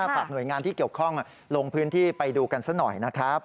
ฝากหน่วยงานที่เกี่ยวข้องลงพื้นที่ไปดูกันซะหน่อยนะครับ